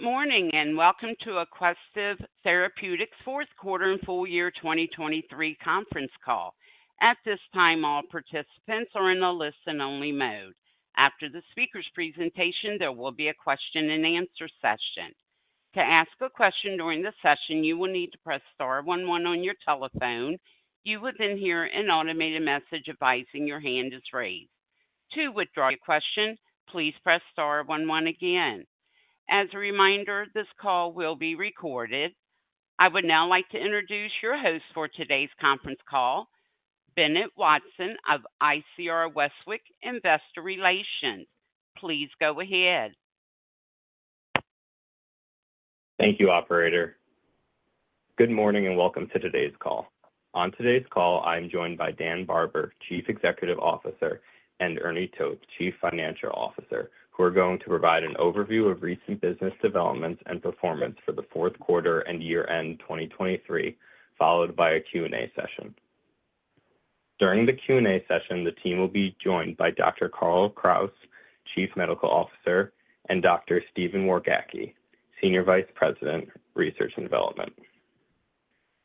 Good morning, and welcome to Aquestive Therapeutics' fourth quarter and full year 2023 conference call. At this time, all participants are in a listen-only mode. After the speaker's presentation, there will be a question-and-answer session. To ask a question during the session, you will need to press star one one on your telephone. You will then hear an automated message advising your hand is raised. To withdraw your question, please press star one one again. As a reminder, this call will be recorded. I would now like to introduce your host for today's conference call, Bennett Watson of ICR Westwicke Investor Relations. Please go ahead. Thank you, operator. Good morning, and welcome to today's call. On today's call, I'm joined by Dan Barber, Chief Executive Officer, and Ernie Toth, Chief Financial Officer, who are going to provide an overview of recent business developments and performance for the fourth quarter and year-end 2023, followed by a Q&A session. During the Q&A session, the team will be joined by Dr. Carl Kraus, Chief Medical Officer, and Dr. Stephen Wargacki, Senior Vice President, Research and Development.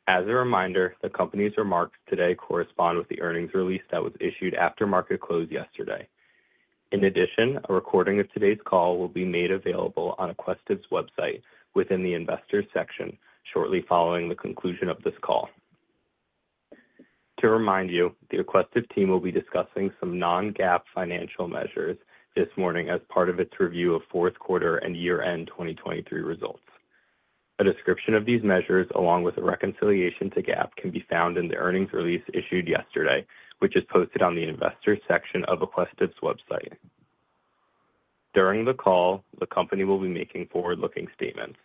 As a reminder, the company's remarks today correspond with the earnings release that was issued after market close yesterday. In addition, a recording of today's call will be made available on Aquestive's website within the Investors section shortly following the conclusion of this call. To remind you, the Aquestive team will be discussing some non-GAAP financial measures this morning as part of its review of fourth quarter and year-end 2023 results. A description of these measures, along with a reconciliation to GAAP, can be found in the earnings release issued yesterday, which is posted on the Investors section of Aquestive's website. During the call, the company will be making forward-looking statements.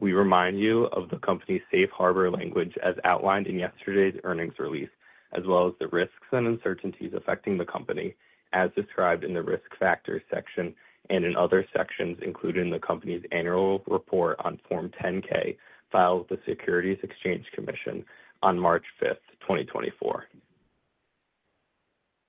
We remind you of the company's safe harbor language as outlined in yesterday's earnings release, as well as the risks and uncertainties affecting the company, as described in the Risk Factors section and in other sections included in the company's annual report on Form 10-K filed with the Securities Exchange Commission on March 5th, 2024.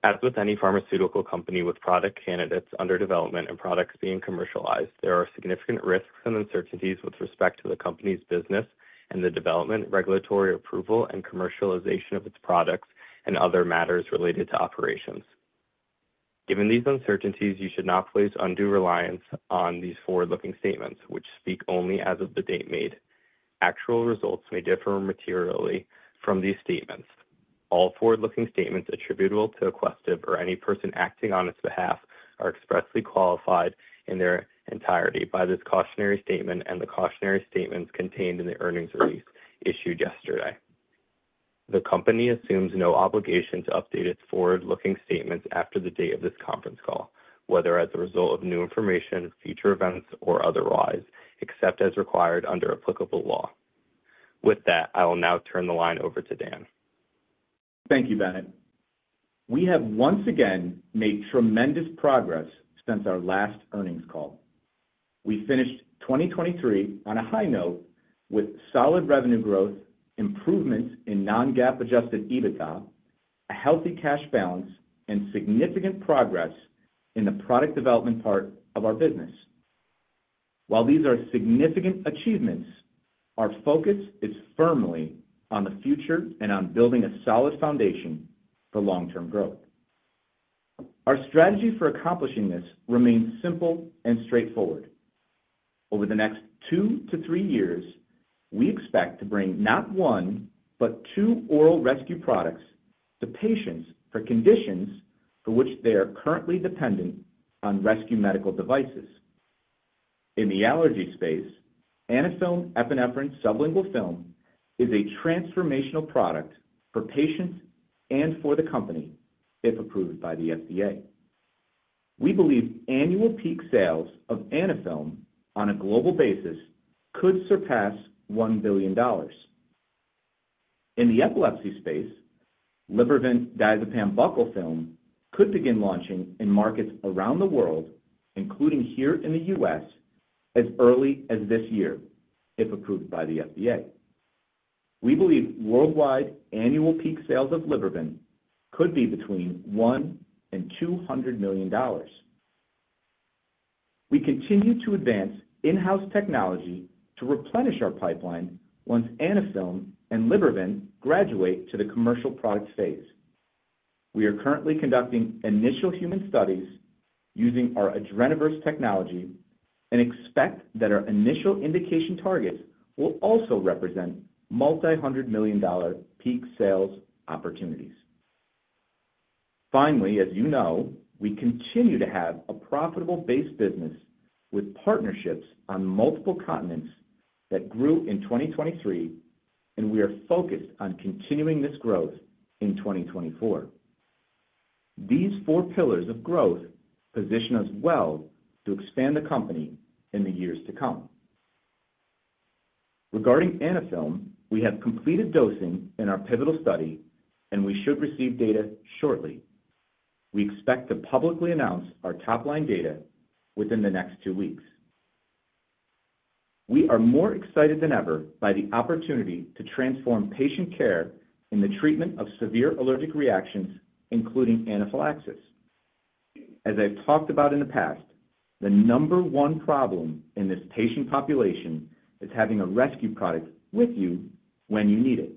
As with any pharmaceutical company with product candidates under development and products being commercialized, there are significant risks and uncertainties with respect to the company's business and the development, regulatory approval, and commercialization of its products and other matters related to operations. Given these uncertainties, you should not place undue reliance on these forward-looking statements, which speak only as of the date made. Actual results may differ materially from these statements. All forward-looking statements attributable to Aquestive or any person acting on its behalf are expressly qualified in their entirety by this cautionary statement and the cautionary statements contained in the earnings release issued yesterday. The company assumes no obligation to update its forward-looking statements after the date of this conference call, whether as a result of new information, future events, or otherwise, except as required under applicable law. With that, I will now turn the line over to Dan. Thank you, Bennett. We have once again made tremendous progress since our last earnings call. We finished 2023 on a high note with solid revenue growth, improvements in non-GAAP adjusted EBITDA, a healthy cash balance, and significant progress in the product development part of our business. While these are significant achievements, our focus is firmly on the future and on building a solid foundation for long-term growth. Our strategy for accomplishing this remains simple and straightforward. Over the next two-three years, we expect to bring not one, but two oral rescue products to patients for conditions for which they are currently dependent on rescue medical devices. In the allergy space, Anaphylm epinephrine sublingual film is a transformational product for patients and for the company, if approved by the FDA. We believe annual peak sales of Anaphylm on a global basis could surpass $1 billion. In the epilepsy space, Libervant diazepam buccal film could begin launching in markets around the world, including here in the U.S., as early as this year, if approved by the FDA. We believe worldwide annual peak sales of Libervant could be between $100 million and $200 million. We continue to advance in-house technology to replenish our pipeline once Anaphylm and Libervant graduate to the commercial product phase. We are currently conducting initial human studies using our Adrenoverse technology and expect that our initial indication targets will also represent multi-hundred million dollar peak sales opportunities. Finally, as you know, we continue to have a profitable base business with partnerships on multiple continents that grew in 2023, and we are focused on continuing this growth in 2024. These four pillars of growth position us well to expand the company in the years to come. Regarding Anaphylm, we have completed dosing in our pivotal study, and we should receive data shortly. We expect to publicly announce our top-line data within the next two weeks. We are more excited than ever by the opportunity to transform patient care in the treatment of severe allergic reactions, including anaphylaxis.... As I've talked about in the past, the number one problem in this patient population is having a rescue product with you when you need it.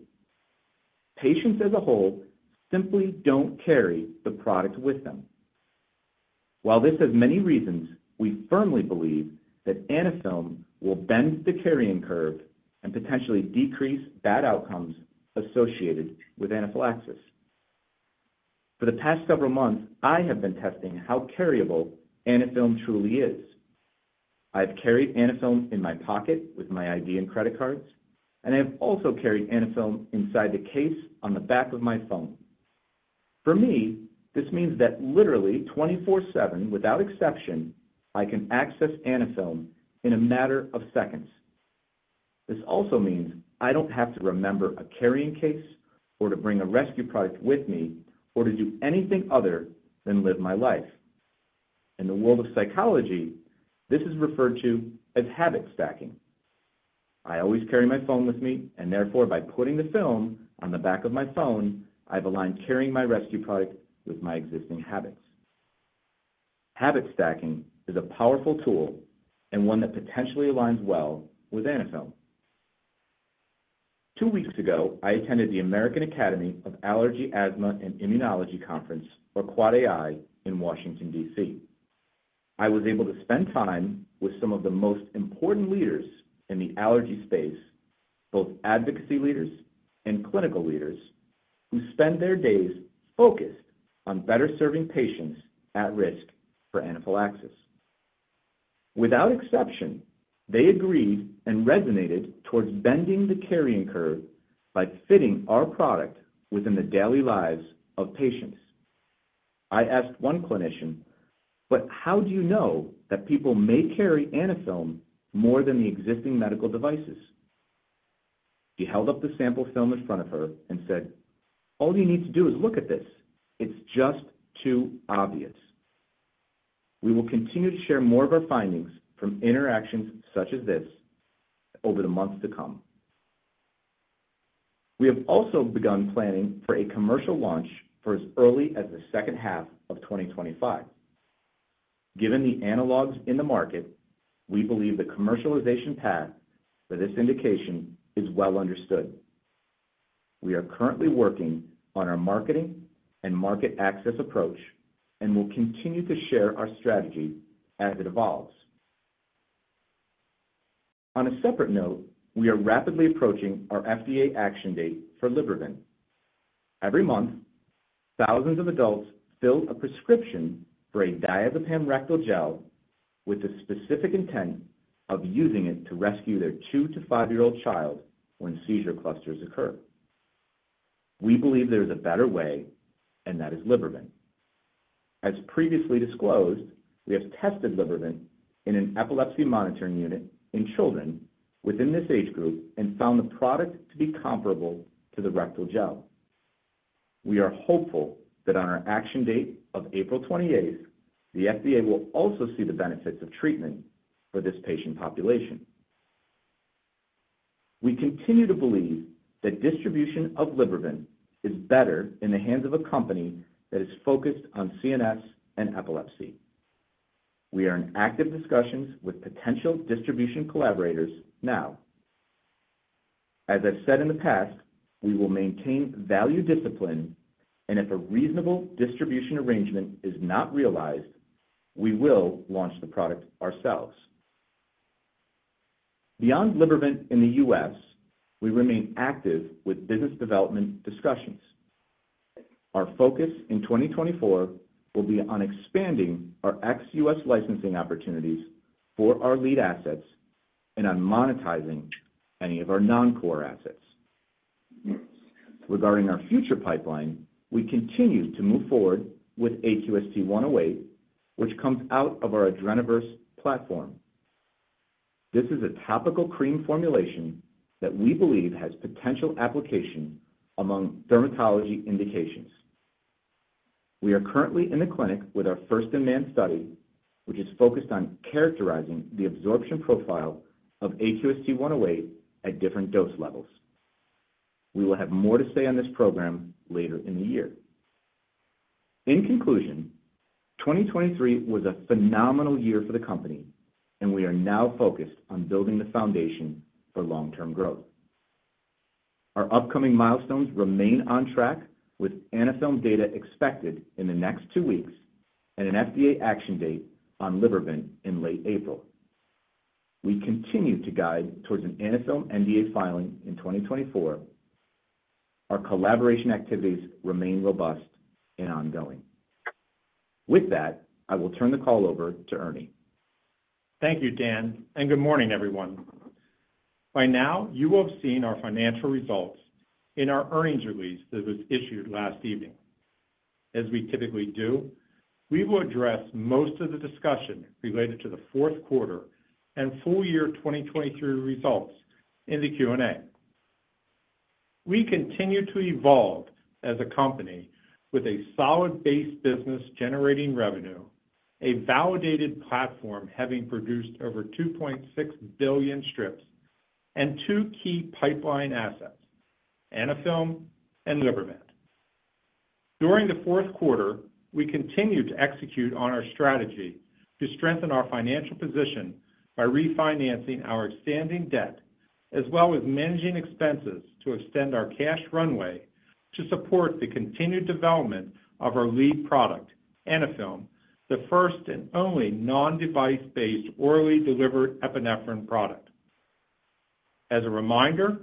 Patients as a whole simply don't carry the product with them. While this has many reasons, we firmly believe that Anaphylm will bend the carrying curve and potentially decrease bad outcomes associated with anaphylaxis. For the past several months, I have been testing how carryable Anaphylm truly is. I've carried Anaphylm in my pocket with my ID and credit cards, and I've also carried Anaphylm inside the case on the back of my phone. For me, this means that literally 24/7, without exception, I can access Anaphylm in a matter of seconds. This also means I don't have to remember a carrying case or to bring a rescue product with me or to do anything other than live my life. In the world of psychology, this is referred to as habit stacking. I always carry my phone with me, and therefore, by putting the film on the back of my phone, I've aligned carrying my rescue product with my existing habits. Habit stacking is a powerful tool and one that potentially aligns well with Anaphylm. Two weeks ago, I attended the American Academy of Allergy, Asthma, and Immunology Conference, or QuadAI, in Washington, D.C. I was able to spend time with some of the most important leaders in the allergy space, both advocacy leaders and clinical leaders, who spend their days focused on better serving patients at risk for anaphylaxis. Without exception, they agreed and resonated towards bending the carrying curve by fitting our product within the daily lives of patients. I asked one clinician, "But how do you know that people may carry Anaphylm more than the existing medical devices?" She held up the sample film in front of her and said, "All you need to do is look at this. It's just too obvious." We will continue to share more of our findings from interactions such as this over the months to come. We have also begun planning for a commercial launch for as early as the second half of 2025. Given the analogs in the market, we believe the commercialization path for this indication is well understood. We are currently working on our marketing and market access approach, and we'll continue to share our strategy as it evolves. On a separate note, we are rapidly approaching our FDA action date for Libervant. Every month, thousands of adults fill a prescription for a diazepam rectal gel with the specific intent of using it to rescue their two- to five-year-old child when seizure clusters occur. We believe there is a better way, and that is Libervant. As previously disclosed, we have tested Libervant in an epilepsy monitoring unit in children within this age group and found the product to be comparable to the rectal gel. We are hopeful that on our action date of April 28th, the FDA will also see the benefits of treatment for this patient population. We continue to believe that distribution of Libervant is better in the hands of a company that is focused on CNS and epilepsy. We are in active discussions with potential distribution collaborators now. As I've said in the past, we will maintain value discipline, and if a reasonable distribution arrangement is not realized, we will launch the product ourselves. Beyond Libervant in the U.S., we remain active with business development discussions. Our focus in 2024 will be on expanding our ex-U.S. licensing opportunities for our lead assets and on monetizing any of our non-core assets. Regarding our future pipeline, we continue to move forward with AQST-108, which comes out of our Adrenoverse platform. This is a topical cream formulation that we believe has potential application among dermatology indications. We are currently in the clinic with our first-in-man study, which is focused on characterizing the absorption profile of AQST-108 at different dose levels. We will have more to say on this program later in the year. In conclusion, 2023 was a phenomenal year for the company, and we are now focused on building the foundation for long-term growth. Our upcoming milestones remain on track, with Anaphylm data expected in the next two weeks and an FDA action date on Libervant in late April. We continue to guide towards an Anaphylm NDA filing in 2024. Our collaboration activities remain robust and ongoing. With that, I will turn the call over to Ernie. Thank you, Dan, and good morning, everyone. By now, you will have seen our financial results in our earnings release that was issued last evening. As we typically do, we will address most of the discussion related to the fourth quarter and full year 2023 results in the Q&A. We continue to evolve as a company with a solid base business generating revenue, a validated platform having produced over 2.6 billion strips, and two key pipeline assets, Anaphylm and Libervant. During the fourth quarter, we continued to execute on our strategy to strengthen our financial position by refinancing our outstanding debt, as well as managing expenses to extend our cash runway to support the continued development of our lead product, Anaphylm, the first and only non-device-based orally delivered epinephrine product. As a reminder,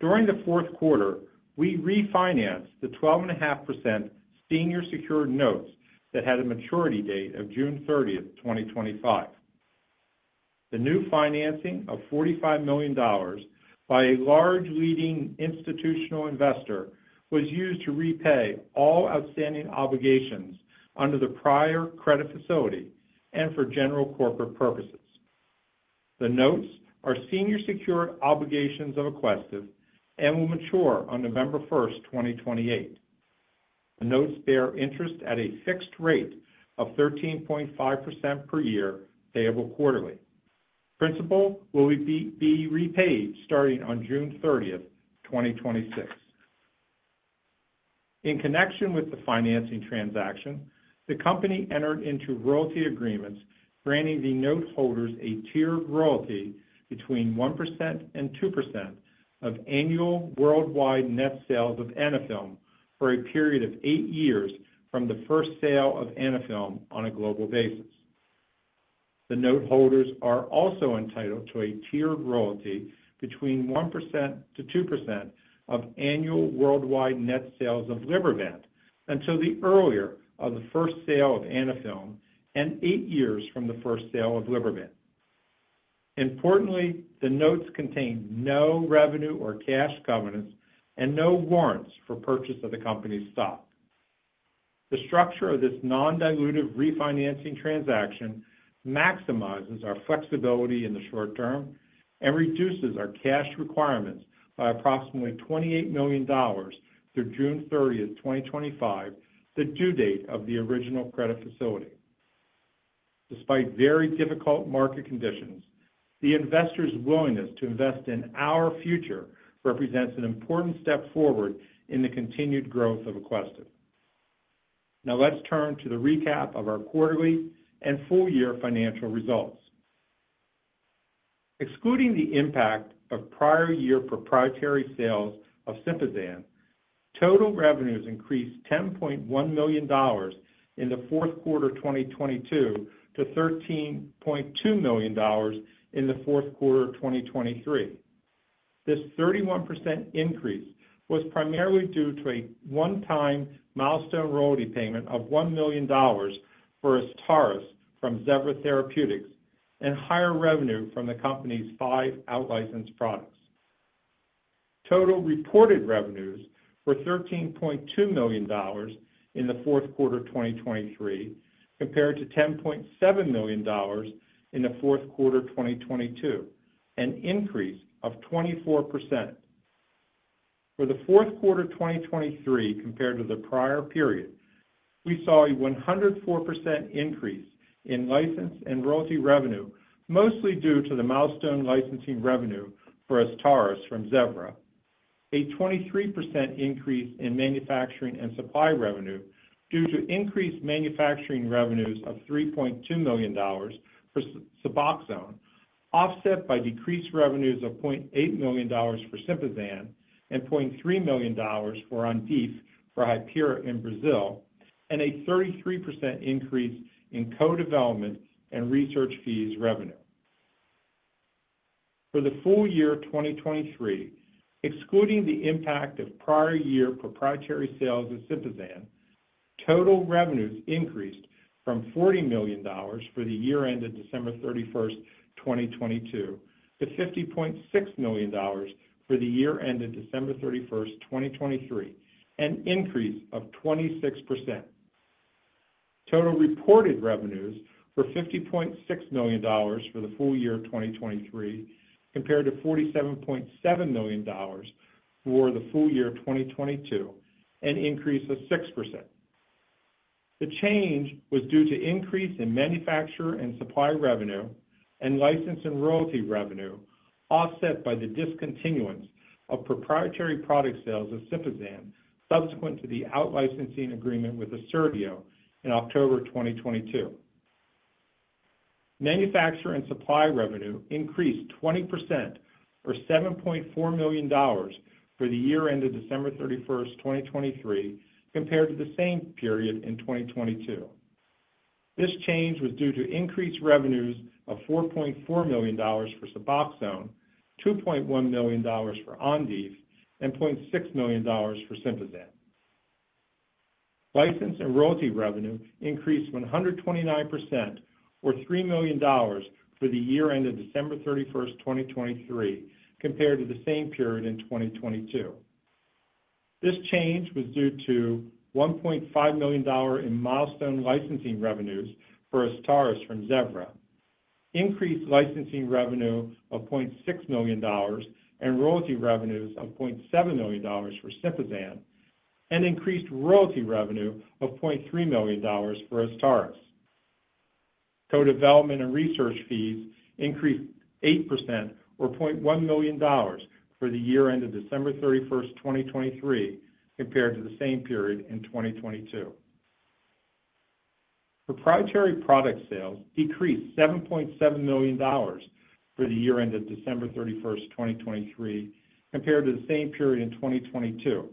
during the fourth quarter, we refinanced the 12.5% senior secured notes that had a maturity date of June 30th, 2025. The new financing of $45 million by a large leading institutional investor was used to repay all outstanding obligations under the prior credit facility and for general corporate purposes. The notes are senior secured obligations of Aquestive and will mature on November 1st, 2028. The notes bear interest at a fixed rate of 13.5% per year, payable quarterly. Principal will be repaid starting on June 30th, 2026. In connection with the financing transaction, the company entered into royalty agreements granting the noteholders a tiered royalty between 1% and 2% of annual worldwide net sales of Anaphylm for a period of eight years from the first sale of Anaphylm on a global basis. The noteholders are also entitled to a tiered royalty between 1%-2% of annual worldwide net sales of Libervant, until the earlier of the first sale of Anaphylm and eight years from the first sale of Libervant. Importantly, the notes contain no revenue or cash covenants and no warrants for purchase of the company's stock. The structure of this non-dilutive refinancing transaction maximizes our flexibility in the short term and reduces our cash requirements by approximately $28 million through June 30, 2025, the due date of the original credit facility. Despite very difficult market conditions, the investors' willingness to invest in our future represents an important step forward in the continued growth of Aquestive. Now let's turn to the recap of our quarterly and full-year financial results. Excluding the impact of prior year proprietary sales of Sympazan, total revenues increased $10.1 million in the fourth quarter of 2022 to $13.2 million in the fourth quarter of 2023. This 31% increase was primarily due to a one-time milestone royalty payment of $1 million for Azstarys from Zevra Therapeutics, and higher revenue from the company's five out-licensed products. Total reported revenues were $13.2 million in the fourth quarter of 2023, compared to $10.7 million in the fourth quarter of 2022, an increase of 24%. For the fourth quarter of 2023 compared to the prior period, we saw a 104% increase in license and royalty revenue, mostly due to the milestone licensing revenue for Azstarys from Zevra. A 23% increase in manufacturing and supply revenue due to increased manufacturing revenues of $3.2 million for Suboxone, offset by decreased revenues of $0.8 million for Sympazan and $0.3 million for Ondif for Hypera in Brazil, and a 33% increase in co-development and research fees revenue. For the full year of 2023, excluding the impact of prior year proprietary sales of Sympazan, total revenues increased from $40 million for the year ended December 31, 2022, to $50.6 million for the year ended December 31, 2023, an increase of 26%. Total reported revenues were $50.6 million for the full year of 2023, compared to $47.7 million for the full year of 2022, an increase of 6%. The change was due to increase in manufacturer and supply revenue and license and royalty revenue, offset by the discontinuance of proprietary product sales of Sympazan, subsequent to the out-licensing agreement with Assertio in October 2022. Manufacturer and supply revenue increased 20%, or $7.4 million, for the year ended December 31, 2023, compared to the same period in 2022. This change was due to increased revenues of $4.4 million for Suboxone, $2.1 million for Ondif, and $0.6 million for Sympazan. License and royalty revenue increased 129%, or $3 million, for the year ended December 31, 2023, compared to the same period in 2022. This change was due to $1.5 million in milestone licensing revenues for Azstarys from Zevra, increased licensing revenue of $0.6 million, and royalty revenues of $0.7 million for Sympazan, and increased royalty revenue of $0.3 million for Azstarys. Co-development and research fees increased 8% or $0.1 million for the year ended December 31, 2023, compared to the same period in 2022. Proprietary product sales decreased $7.7 million for the year ended December 31, 2023, compared to the same period in 2022.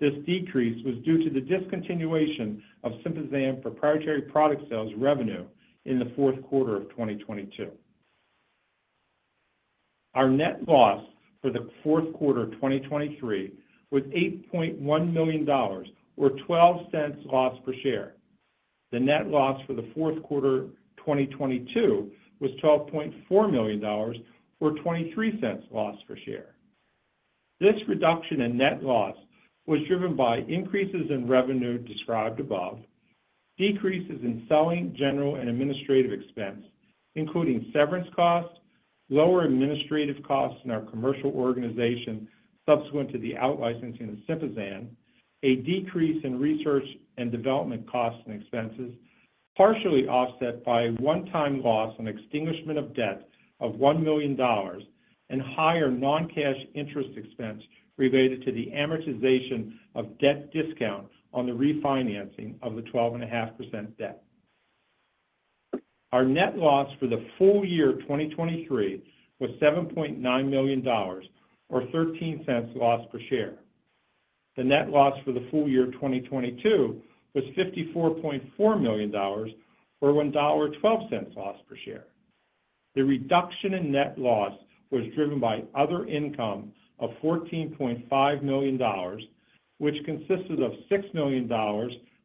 This decrease was due to the discontinuation of Sympazan proprietary product sales revenue in the fourth quarter of 2022. Our net loss for the fourth quarter of 2023 was $8.1 million, or $0.12 loss per share. The net loss for the fourth quarter, 2022, was $12.4 million, or $0.23 loss per share. This reduction in net loss was driven by increases in revenue described above, decreases in selling, general and administrative expense, including severance costs, lower administrative costs in our commercial organization subsequent to the out-licensing of Sympazan, a decrease in research and development costs and expenses, partially offset by a one-time loss on extinguishment of debt of $1 million and higher non-cash interest expense related to the amortization of debt discount on the refinancing of the 12.5% debt. Our net loss for the full year of 2023 was $7.9 million, or $0.13 loss per share. The net loss for the full year of 2022 was $54.4 million, or $1.12 loss per share. The reduction in net loss was driven by other income of $14.5 million, which consisted of $6 million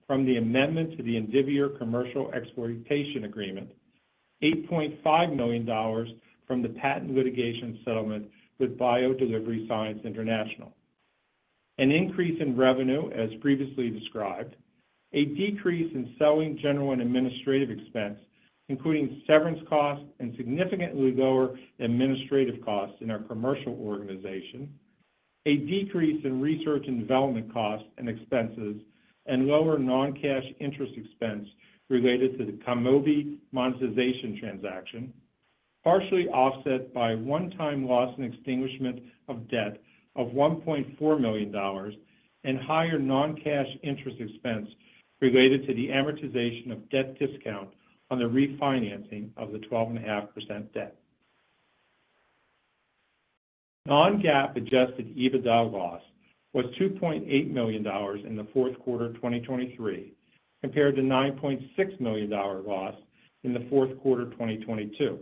from the amendment to the Indivior Commercial Exploitation Agreement, $8.5 million from the patent litigation settlement with BioDelivery Sciences International. An increase in revenue, as previously described, a decrease in selling, general and administrative expense, including severance costs and significantly lower administrative costs in our commercial organization, a decrease in research and development costs and expenses, and lower non-cash interest expense related to the Kquest monetization transaction, partially offset by a one-time loss and extinguishment of debt of $1.4 million and higher non-cash interest expense related to the amortization of debt discount on the refinancing of the 12.5% debt. Non-GAAP adjusted EBITDA loss was $2.8 million in the fourth quarter of 2023, compared to $9.6 million loss in the fourth quarter of 2022.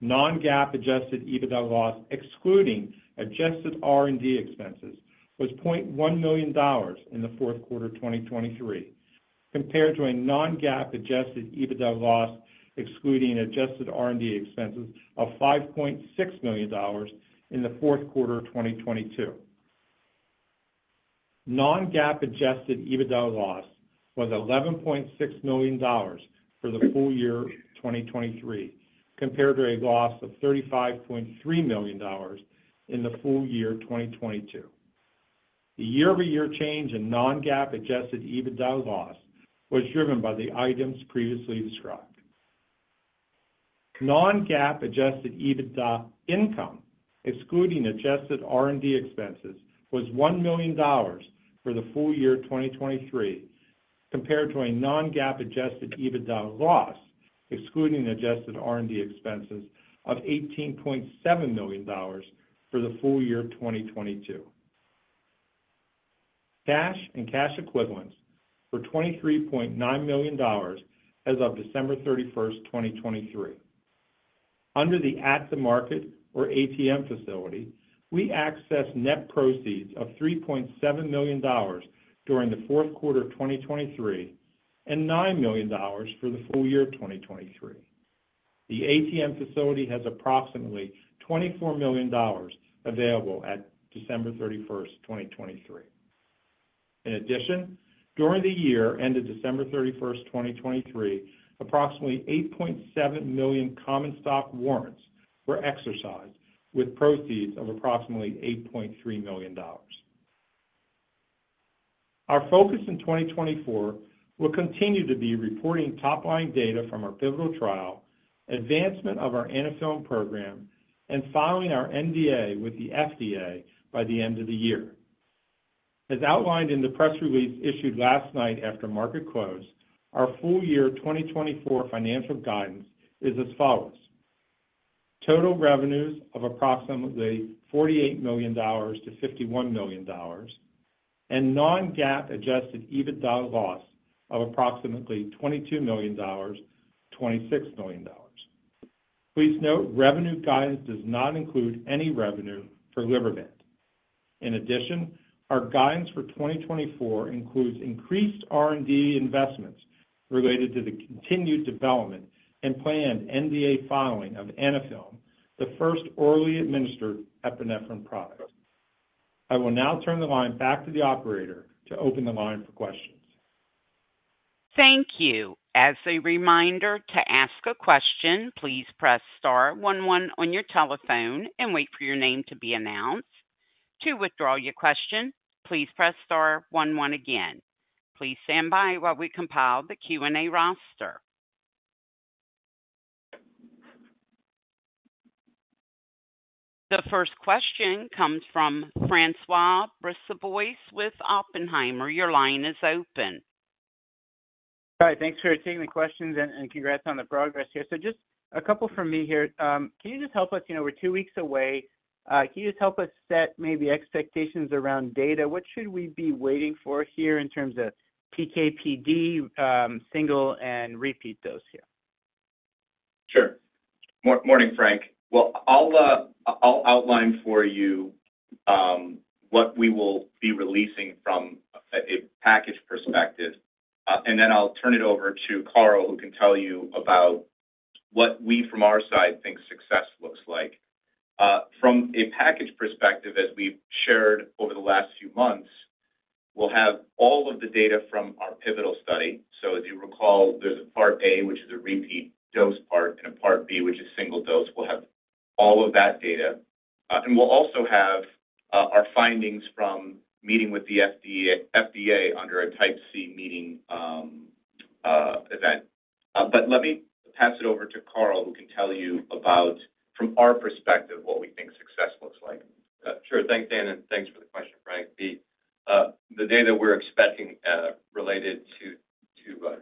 Non-GAAP adjusted EBITDA loss, excluding adjusted R&D expenses, was $0.1 million in the fourth quarter of 2023, compared to a non-GAAP adjusted EBITDA loss, excluding adjusted R&D expenses, of $5.6 million in the fourth quarter of 2022. Non-GAAP adjusted EBITDA loss was $11.6 million for the full year of 2023, compared to a loss of $35.3 million in the full year of 2022. The year-over-year change in non-GAAP adjusted EBITDA loss was driven by the items previously described. Non-GAAP adjusted EBITDA income, excluding adjusted R&D expenses, was $1 million for the full year of 2023, compared to a non-GAAP adjusted EBITDA loss, excluding adjusted R&D expenses, of $18.7 million for the full year of 2022. Cash and cash equivalents were $23.9 million as of December 31, 2023. Under the at-the-market, or ATM facility, we accessed net proceeds of $3.7 million during the fourth quarter of 2023, and $9 million for the full year of 2023. The ATM facility has approximately $24 million available at December 31, 2023. In addition, during the year ended December 31, 2023, approximately 8.7 million common stock warrants were exercised, with proceeds of approximately $8.3 million. Our focus in 2024 will continue to be reporting top-line data from our pivotal trial, advancement of our Anaphylm program, and filing our NDA with the FDA by the end of the year. As outlined in the press release issued last night after market close, our full year 2024 financial guidance is as follows: Total revenues of approximately $48 million-$51 million, and non-GAAP adjusted EBITDA loss of approximately $22 million-$26 million. Please note, revenue guidance does not include any revenue for Libervant. In addition, our guidance for 2024 includes increased R&D investments related to the continued development and planned NDA filing of Anaphylm, the first orally administered epinephrine product. I will now turn the line back to the operator to open the line for questions. Thank you. As a reminder to ask a question, please press star one one on your telephone and wait for your name to be announced.... To withdraw your question, please press star one, one again. Please stand by while we compile the Q&A roster. The first question comes from Francois Brissebois with Oppenheimer. Your line is open. Hi, thanks for taking the questions, and congrats on the progress here. So just a couple from me here. Can you just help us, you know, we're two weeks away, can you just help us set maybe expectations around data? What should we be waiting for here in terms of PK/PD, single and repeat those here? Sure. Morning, Frank. Well, I'll, I'll outline for you, what we will be releasing from a, a package perspective, and then I'll turn it over to Carl, who can tell you about what we, from our side, think success looks like. From a package perspective, as we've shared over the last few months, we'll have all of the data from our pivotal study. So as you recall, there's a part A, which is a repeat dose part, and a part B, which is single dose. We'll have all of that data, and we'll also have, our findings from meeting with the FDA under a Type C meeting, event. But let me pass it over to Carl, who can tell you about, from our perspective, what we think success looks like. Sure. Thanks, Dan, and thanks for the question, Frank. The data we're expecting related to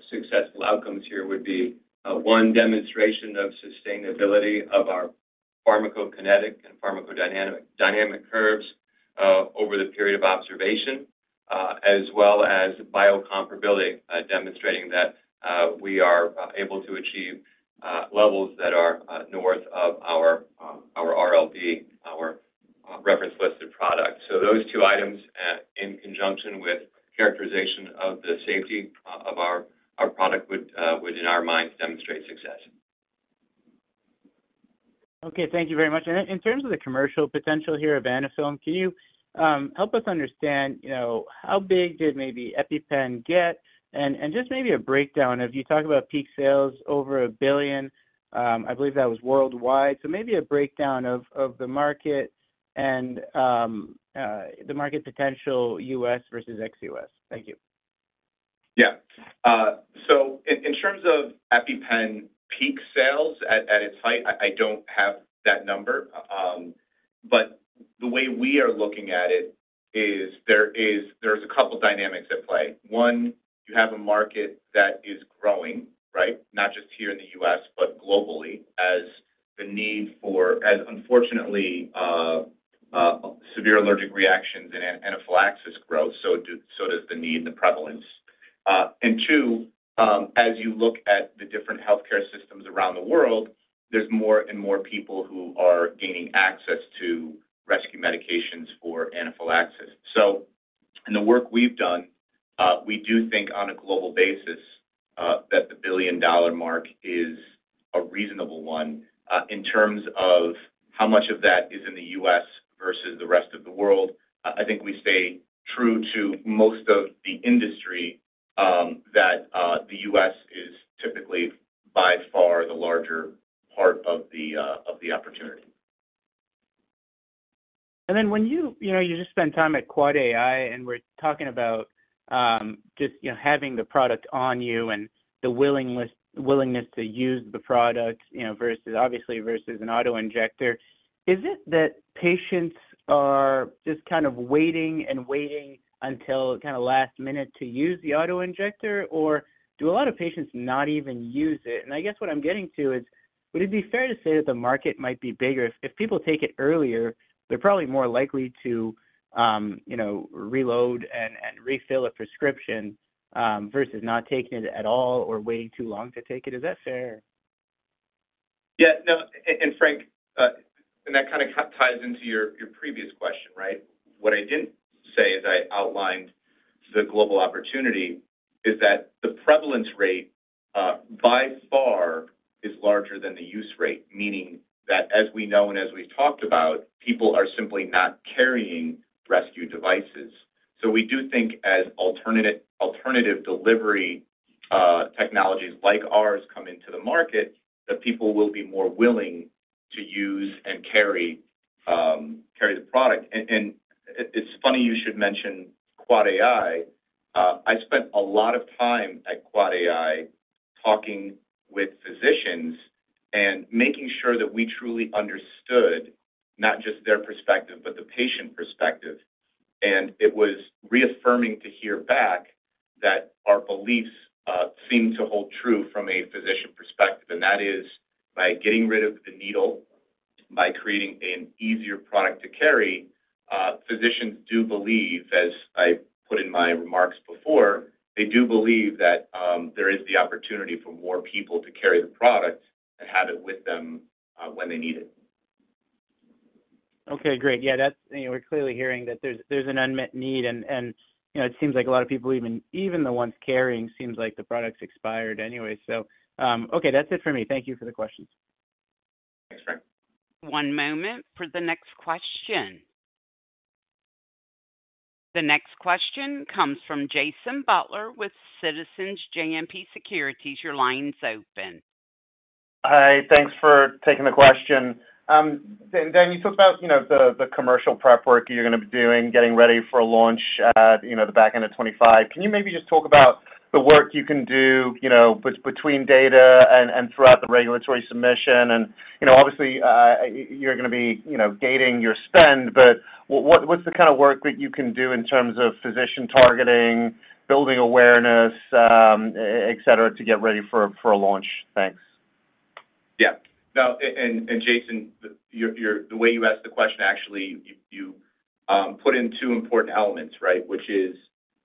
successful outcomes here would be one, demonstration of sustainability of our pharmacokinetic and pharmacodynamic curves over the period of observation as well as biocomparability demonstrating that we are able to achieve levels that are north of our RLD, our Reference Listed Drug. So those two items in conjunction with characterization of the safety of our product would, in our minds, demonstrate success. Okay. Thank you very much. And in terms of the commercial potential here of Anaphylm, can you help us understand, you know, how big did maybe EpiPen get? And just maybe a breakdown, if you talk about peak sales over $1 billion, I believe that was worldwide. So maybe a breakdown of the market and the market potential U.S. versus ex-U.S. Thank you. Yeah. So in terms of EpiPen peak sales at its height, I don't have that number. But the way we are looking at it is there is, there's a couple dynamics at play. One, you have a market that is growing, right? Not just here in the U.S., but globally, as the need for... as unfortunately, severe allergic reactions and anaphylaxis grows, so does the need and the prevalence. And two, as you look at the different healthcare systems around the world, there's more and more people who are gaining access to rescue medications for anaphylaxis. So in the work we've done, we do think on a global basis that the billion-dollar mark is a reasonable one. In terms of how much of that is in the U.S. versus the rest of the world, I think we stay true to most of the industry, that the U.S. is typically, by far, the larger part of the opportunity. And then when you, you know, you just spend time at QuadAI, and we're talking about, just, you know, having the product on you and the willingness, willingness to use the product, you know, versus, obviously versus an auto-injector. Is it that patients are just kind of waiting and waiting until kind of last minute to use the auto-injector, or do a lot of patients not even use it? And I guess what I'm getting to is, would it be fair to say that the market might be bigger if, if people take it earlier, they're probably more likely to, you know, reload and, and refill a prescription, versus not taking it at all or waiting too long to take it. Is that fair? Yeah. No, and Frank, and that kind of ties into your previous question, right? What I didn't say as I outlined the global opportunity is that the prevalence rate by far is larger than the use rate. Meaning that, as we know and as we've talked about, people are simply not carrying rescue devices. So we do think as alternative delivery technologies like ours come into the market, that people will be more willing to use and carry the product. And it’s funny you should mention QuadAI. I spent a lot of time at QuadAI talking with physicians and making sure that we truly understood not just their perspective, but the patient perspective. And it was reaffirming to hear back that our beliefs seemed to hold true from a physician perspective, and that is, by getting rid of the needle, by creating an easier product to carry, physicians do believe, as I put in my remarks before, they do believe that, there is the opportunity for more people to carry the product and have it with them, when they need it. Okay, great. Yeah, that's, you know, we're clearly hearing that there's, there's an unmet need, and, and, you know, it seems like a lot of people, even, even the ones carrying, seems like the product's expired anyway. So, okay, that's it for me. Thank you for the questions. Thanks, Frank. One moment for the next question. The next question comes from Jason Butler with Citizens JMP Securities. Your line's open. Hi, thanks for taking the question. Dan, Dan, you talked about, you know, the commercial prep work you're gonna be doing, getting ready for a launch at, you know, the back end of 2025. Can you maybe just talk about the work you can do, you know, between data and throughout the regulatory submission? You know, obviously, you're gonna be, you know, gating your spend, but what's the kind of work that you can do in terms of physician targeting, building awareness, et cetera, to get ready for a launch? Thanks. Yeah. Now, Jason, you're -- the way you asked the question, actually, you put in two important elements, right? Which is,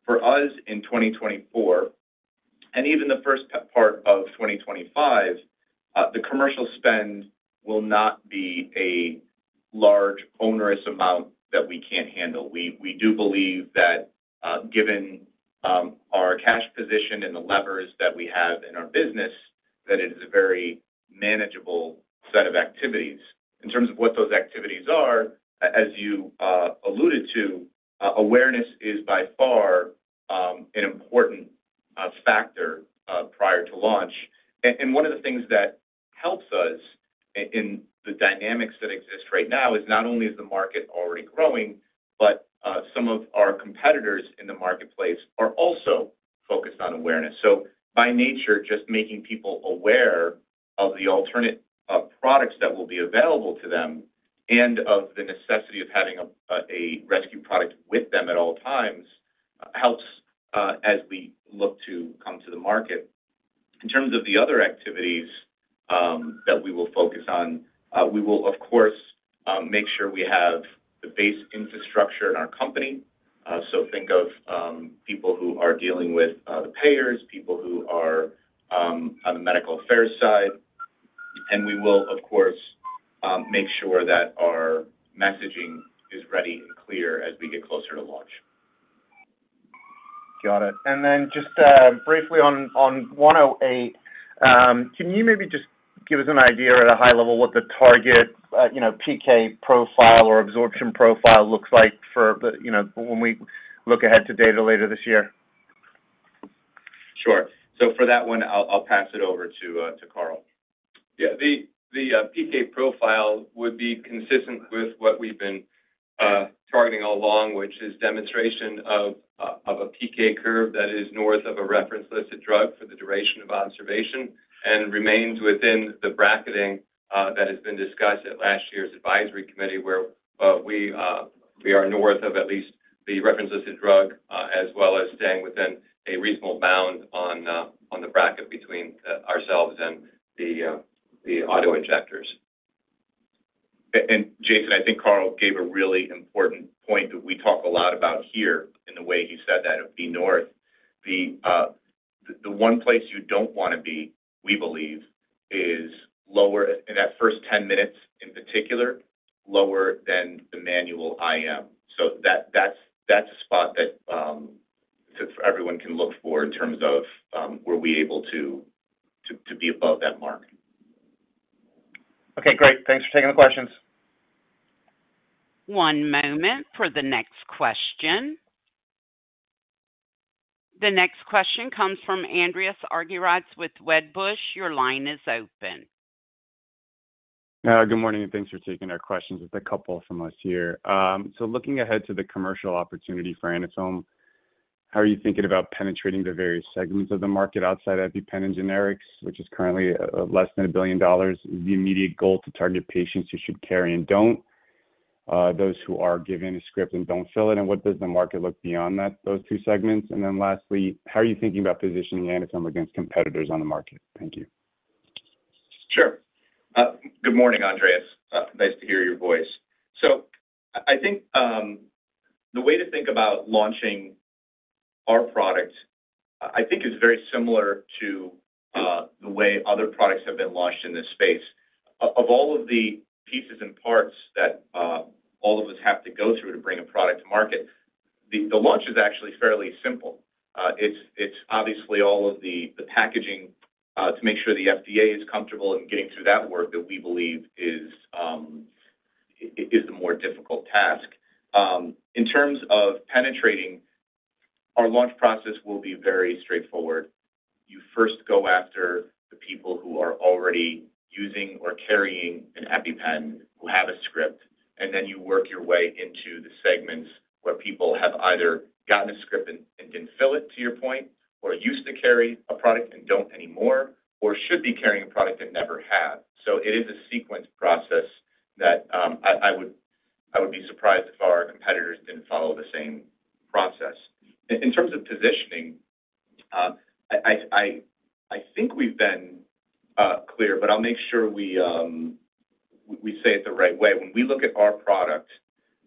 for us, in 2024, and even the first part of 2025, the commercial spend will not be a large, onerous amount that we can't handle. We do believe that, given our cash position and the levers that we have in our business, that it is a very manageable set of activities. In terms of what those activities are, as you alluded to, awareness is by far an important factor prior to launch. And one of the things that helps us in the dynamics that exist right now is not only is the market already growing, but some of our competitors in the marketplace are also focused on awareness. So by nature, just making people aware of the alternate products that will be available to them and of the necessity of having a rescue product with them at all times, helps as we look to come to the market. In terms of the other activities that we will focus on, we will, of course, make sure we have the base infrastructure in our company. So think of people who are dealing with the payers, people who are on the medical affairs side, and we will, of course, make sure that our messaging is ready and clear as we get closer to launch. Got it. And then just briefly on 108, can you maybe just give us an idea at a high level, what the target, you know, PK profile or absorption profile looks like for the, you know, when we look ahead to data later this year? Sure. So for that one, I'll pass it over to Carl. Yeah. The PK profile would be consistent with what we've been targeting all along, which is demonstration of a PK curve that is north of a Reference Listed Drug for the duration of observation, and remains within the bracketing that has been discussed at last year's advisory committee, where we are north of at least the Reference Listed Drug, as well as staying within a reasonable bound on the bracket between ourselves and the auto injectors. And Jason, I think Carl gave a really important point that we talk a lot about here in the way he said that, of being north. The one place you don't want to be, we believe, is lower, in that first 10 minutes, in particular, lower than the manual IM. So that's a spot that everyone can look for in terms of were we able to be above that mark. Okay, great. Thanks for taking the questions. One moment for the next question. The next question comes from Andreas Argyriades with Wedbush. Your line is open. Good morning, and thanks for taking our questions. There's a couple from us here. So looking ahead to the commercial opportunity for Anaphylm, how are you thinking about penetrating the various segments of the market outside EpiPen and generics, which is currently less than $1 billion? Is the immediate goal to target patients who should carry and don't, those who are given a script and don't fill it? And what does the market look beyond that, those two segments? And then lastly, how are you thinking about positioning Anaphylm against competitors on the market? Thank you. Sure. Good morning, Andreas. Nice to hear your voice. So I think the way to think about launching our product I think is very similar to the way other products have been launched in this space. Of all of the pieces and parts that all of us have to go through to bring a product to market, the launch is actually fairly simple. It's obviously all of the packaging to make sure the FDA is comfortable in getting through that work that we believe is the more difficult task. In terms of penetrating, our launch process will be very straightforward. You first go after the people who are already using or carrying an EpiPen, who have a script, and then you work your way into the segments where people have either gotten a script and didn't fill it, to your point, or used to carry a product and don't anymore, or should be carrying a product and never have. So it is a sequenced process that I would be surprised if our competitors didn't follow the same process. In terms of positioning, I think we've been clear, but I'll make sure we say it the right way. When we look at our product,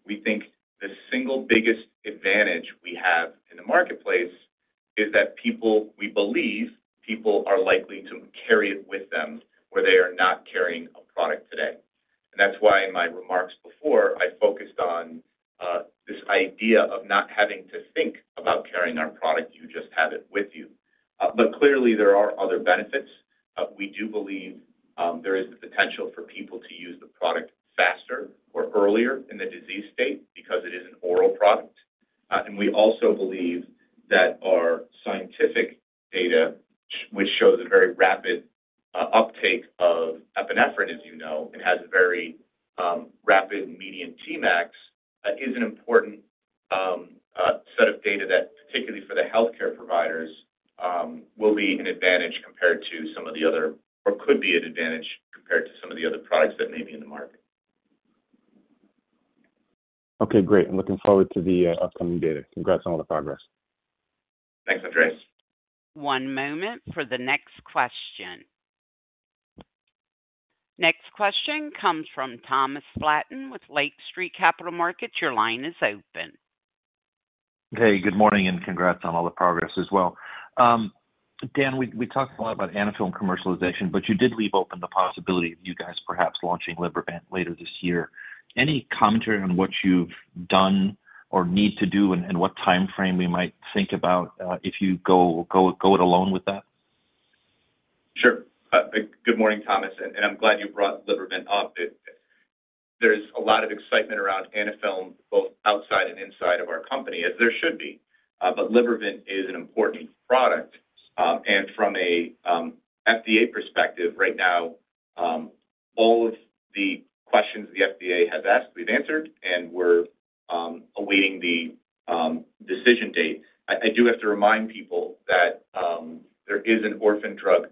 we think the single biggest advantage we have in the marketplace is that people, we believe, people are likely to carry it with them, where they are not carrying a product today. And that's why, in my remarks before, I focused on this idea of not having to think about carrying our product, you just have it with you. But clearly there are other benefits. We do believe there is the potential for people to use the product faster or earlier in the disease state because it is an oral product. And we also believe that our scientific data, which shows a very rapid uptake of epinephrine, as you know, and has a very rapid median Tmax, is an important set of data that, particularly for the healthcare providers, will be an advantage compared to some of the other- or could be an advantage compared to some of the other products that may be in the market. Okay, great. I'm looking forward to the upcoming data. Congrats on all the progress. Thanks, Andreas. One moment for the next question. Next question comes from Thomas Flaten with Lake Street Capital Markets. Your line is open. Hey, good morning, and congrats on all the progress as well. Dan, we talked a lot about Anaphylm commercialization, but you did leave open the possibility of you guys perhaps launching Libervant later this year. Any commentary on what you've done or need to do and what timeframe we might think about if you go it alone with that? Sure. Good morning, Thomas, and I'm glad you brought Libervant up. There's a lot of excitement around Anaphylm, both outside and inside of our company, as there should be. But Libervant is an important product. And from a FDA perspective, right now, all of the questions the FDA has asked, we've answered, and we're awaiting the decision date. I do have to remind people that there is an orphan drug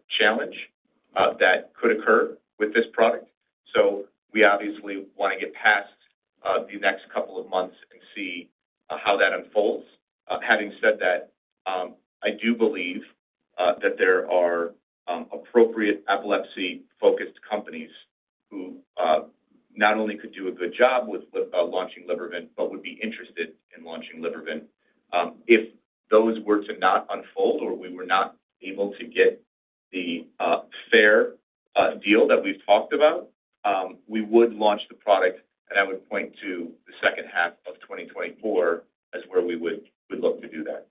challenge that could occur with this product. So we obviously want to get past the next couple of months and see how that unfolds. Having said that, I do believe that there are appropriate epilepsy-focused companies who not only could do a good job with launching Libervant, but would be interested in launching Libervant. If those were to not unfold or we were not able to get the fair deal that we've talked about, we would launch the product, and I would point to the second half of 2024 as where we would, we'd look to do that.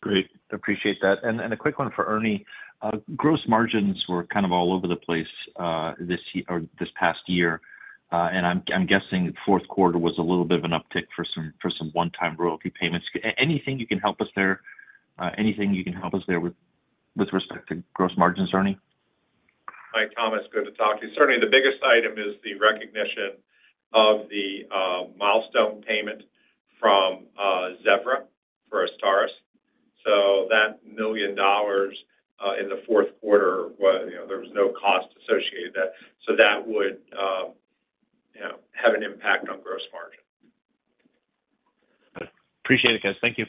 Great. Appreciate that. And a quick one for Ernie. Gross margins were kind of all over the place this year or this past year. And I'm guessing fourth quarter was a little bit of an uptick for some one-time royalty payments. Anything you can help us there? Anything you can help us there with respect to gross margins, Ernie? Hi, Thomas. Good to talk to you. Certainly, the biggest item is the recognition of the milestone payment from Zevra for Azstarys. So that $1 million in the fourth quarter was, you know, there was no cost associated with that, so that would, you know, have an impact on gross margin. Appreciate it, guys. Thank you.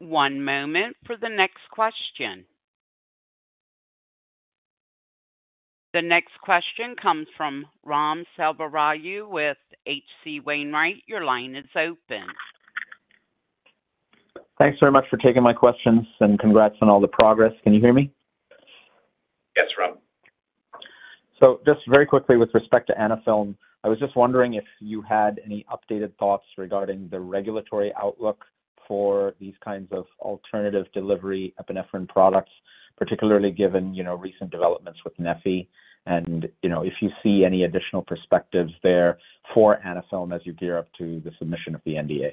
Yeah. One moment for the next question. The next question comes from Ram Selvaraju with H.C. Wainwright. Your line is open. Thanks very much for taking my questions, and congrats on all the progress. Can you hear me? Yes, Ram. So just very quickly with respect to Anaphylm, I was just wondering if you had any updated thoughts regarding the regulatory outlook for these kinds of alternative delivery epinephrine products, particularly given, you know, recent developments with neffy? And, you know, if you see any additional perspectives there for Anaphylm as you gear up to the submission of the NDA.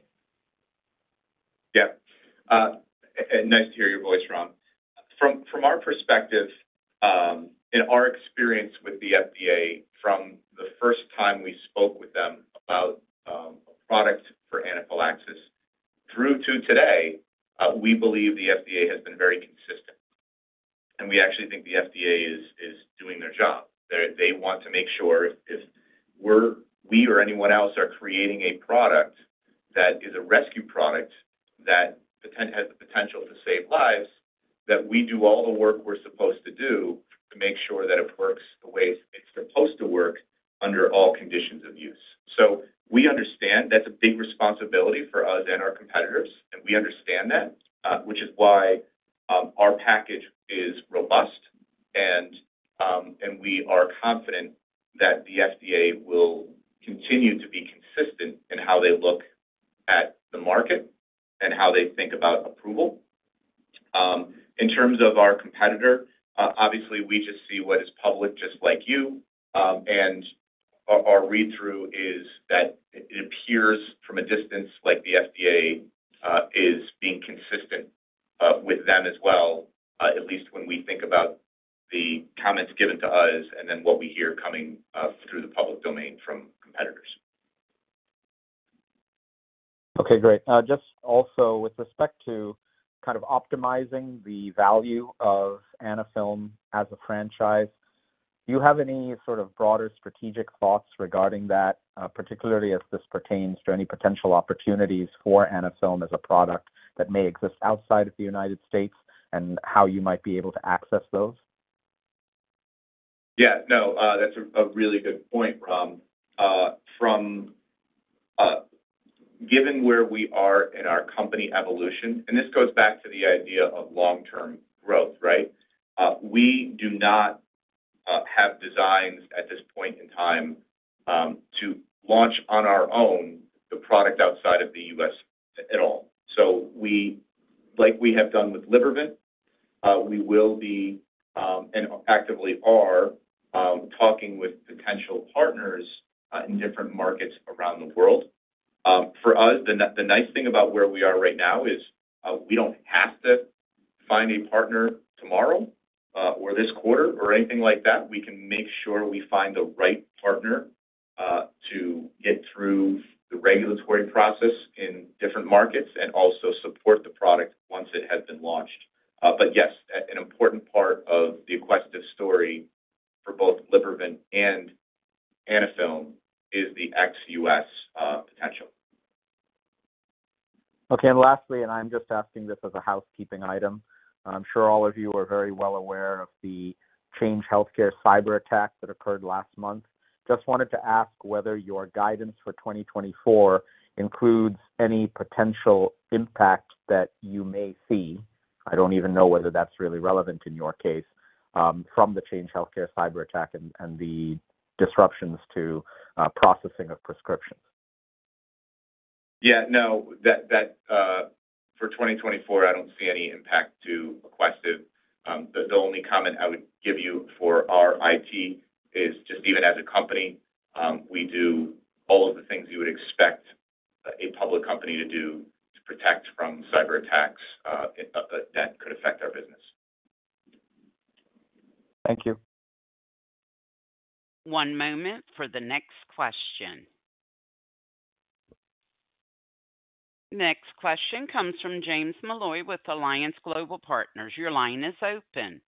Yeah. Nice to hear your voice, Ram. From our perspective, in our experience with the FDA, from the first time we spoke with them about a product for anaphylaxis through to today, we believe the FDA has been very consistent, and we actually think the FDA is doing their job. They want to make sure if we're or anyone else are creating a product that is a rescue product that has the potential to save lives, that we do all the work we're supposed to do to make sure that it works the way it's supposed to work under all conditions of use. So we understand that's a big responsibility for us and our competitors, and we understand that, which is why our package is robust, and we are confident that the FDA will continue to be consistent in how they look at the market and how they think about approval. In terms of our competitor, obviously, we just see what is public, just like you. And our read-through is that it appears from a distance like the FDA is being consistent with them as well, at least when we think about the comments given to us and then what we hear coming through the public domain from competitors. Okay, great. Just also with respect to kind of optimizing the value of Anaphylm as a franchise, do you have any sort of broader strategic thoughts regarding that, particularly as this pertains to any potential opportunities for Anaphylm as a product that may exist outside of the United States, and how you might be able to access those? Yeah. No, that's a really good point, Ram. From, given where we are in our company evolution, and this goes back to the idea of long-term growth, right? We do not have designs at this point in time to launch on our own the product outside of the U.S. at all. So like we have done with Libervant, we will be and actively are talking with potential partners in different markets around the world. For us, the nice thing about where we are right now is, we don't have to find a partner tomorrow or this quarter, or anything like that. We can make sure we find the right partner to get through the regulatory process in different markets and also support the product once it has been launched. Yes, an important part of the Aquestive story for both Libervant and Anaphylm is the ex-US potential. Okay, and lastly, I'm just asking this as a housekeeping item. I'm sure all of you are very well aware of the Change Healthcare cyberattack that occurred last month. Just wanted to ask whether your guidance for 2024 includes any potential impact that you may see. I don't even know whether that's really relevant in your case, from the Change Healthcare cyberattack and the disruptions to processing of prescriptions. Yeah, no, that for 2024, I don't see any impact to Aquestive. The only comment I would give you for our IT is just even as a company, we do all of the things you would expect a public company to do to protect from cyberattacks that could affect our business. Thank you. One moment for the next question. Next question comes from James Molloy with Alliance Global Partners. Your line is open.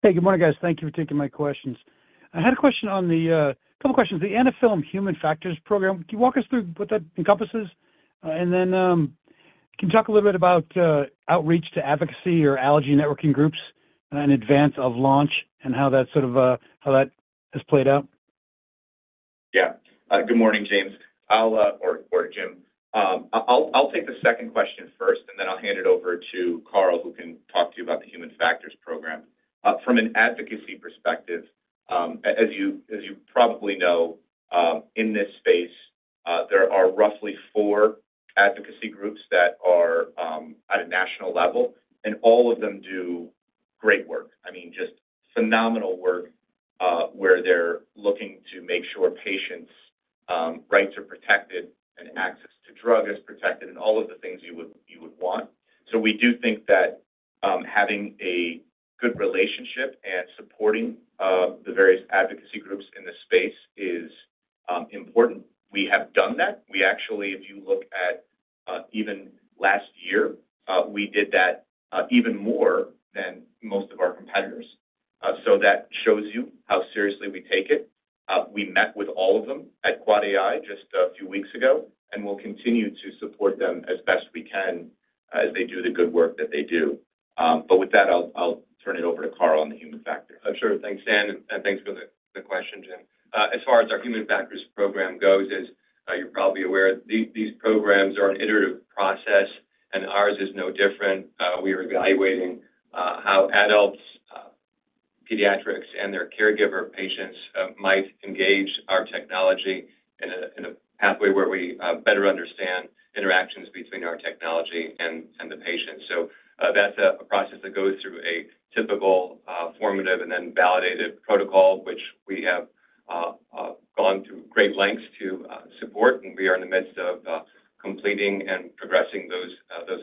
Hey, good morning, guys. Thank you for taking my questions. I had a question on the, a couple questions. The Anaphylm Human Factors program, can you walk us through what that encompasses? And then, can you talk a little bit about outreach to advocacy or allergy networking groups in advance of launch and how that sort of, how that has played out? Yeah. Good morning, James. I'll... or Jim. I'll take the second question first, and then I'll hand it over to Carl, who can talk to you about the Human Factors program. From an advocacy perspective, as you probably know, in this space, there are roughly four advocacy groups that are at a national level, and all of them do great work. I mean, just phenomenal work, where they're looking to make sure patients' rights are protected and access to drug is protected, and all of the things you would want. So we do think that having a good relationship and supporting the various advocacy groups in this space is important. We have done that. We actually, if you look at, even last year, we did that, even more than most of our competitors. So that shows you how seriously we take it. We met with all of them at QuadAI just a few weeks ago, and we'll continue to support them as best we can as they do the good work that they do. But with that, I'll turn it over to Carl on the Human Factors. Oh, sure. Thanks, Dan, and thanks for the question, Jim. As far as our Human Factors program goes, as you're probably aware, these programs are an iterative process, and ours is no different. We are evaluating how adults, pediatrics and their caregiver patients might engage our technology in a pathway where we better understand interactions between our technology and the patient. So, that's a process that goes through a typical formative and then validated protocol, which we have gone to great lengths to support, and we are in the midst of completing and progressing those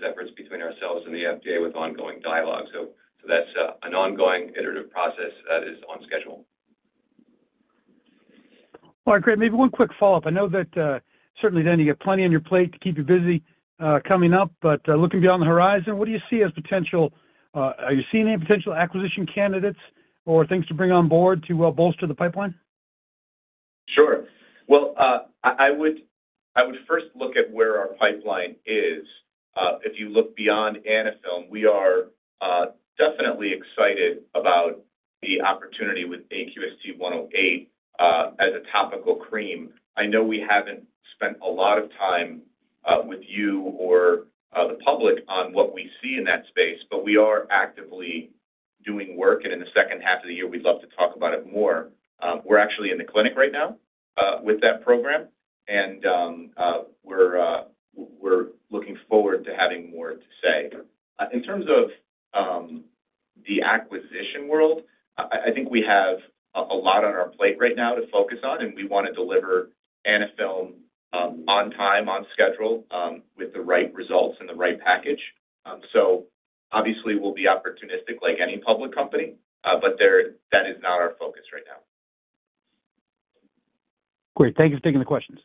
efforts between ourselves and the FDA with ongoing dialogue. So, that's an ongoing iterative process that is on schedule. All right, great. Maybe one quick follow-up. I know that certainly, Dan, you have plenty on your plate to keep you busy coming up, but looking beyond the horizon, what do you see as potential... Are you seeing any potential acquisition candidates or things to bring on board to bolster the pipeline? Sure. Well, I would first look at where our pipeline is. If you look beyond Anaphylm, we are definitely excited about the opportunity with AQST-108 as a topical cream. I know we haven't spent a lot of time with you or the public on what we see in that space, but we are actively doing work, and in the second half of the year, we'd love to talk about it more. We're actually in the clinic right now with that program, and we're looking forward to having more to say. In terms of the acquisition world, I think we have a lot on our plate right now to focus on, and we want to deliver Anaphylm on time, on schedule, with the right results and the right package. Obviously, we'll be opportunistic like any public company, but that is not our focus right now. Great. Thank you for taking the questions.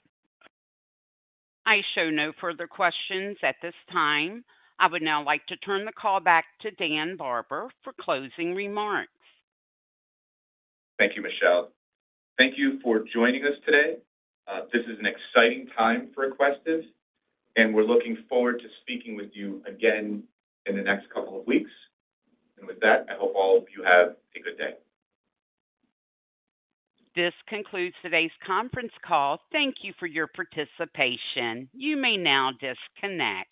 I show no further questions at this time. I would now like to turn the call back to Dan Barber for closing remarks. Thank you, Michelle. Thank you for joining us today. This is an exciting time for Aquestive, and we're looking forward to speaking with you again in the next couple of weeks. And with that, I hope all of you have a good day. This concludes today's conference call. Thank you for your participation. You may now disconnect.